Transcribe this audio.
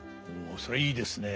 それはいいですね。